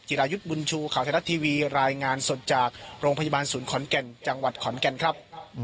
รายุทธ์บุญชูข่าวไทยรัฐทีวีรายงานสดจากโรงพยาบาลศูนย์ขอนแก่นจังหวัดขอนแก่นครับ